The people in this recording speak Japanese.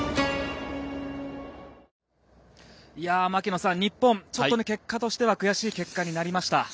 槙野さん、日本結果としては悔しい結果になりました。